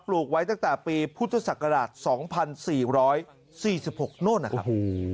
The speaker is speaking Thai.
ลูกไว้ตั้งแต่ปีพุทธศักราช๒๔๔๖โน่นนะครับ